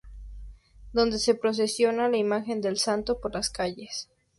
Donde se procesiona la imagen del santo por las calles.